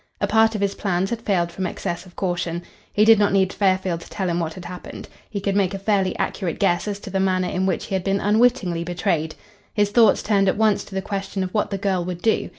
A part of his plans had failed from excess of caution. He did not need Fairfield to tell him what had happened. He could make a fairly accurate guess as to the manner in which he had been unwittingly betrayed. His thoughts turned at once to the question of what the girl would do.